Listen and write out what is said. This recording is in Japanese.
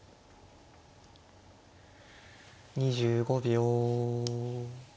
２５秒。